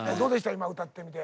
今歌ってみて。